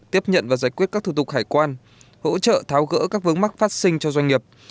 tiếp nhận và giải quyết các thủ tục hải quan hỗ trợ tháo gỡ các vướng mắc phát sinh cho doanh nghiệp